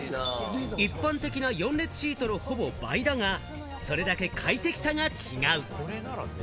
一般的な４列シートのほぼ倍だが、それだけ快適さが違う。